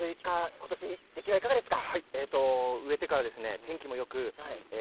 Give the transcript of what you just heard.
今年の出来はいかがですか？